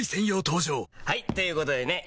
登場はい！ということでね